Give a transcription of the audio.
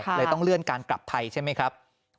เลยต้องเลื่อนการกลับไทยใช่ไหมครับ